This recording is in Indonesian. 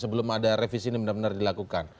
sebelum ada revisi ini benar benar dilakukan